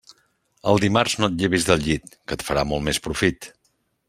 El dimarts no et llevis del llit, que et farà molt més profit.